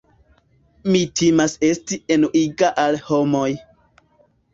Mi timas esti enuiga al homoj.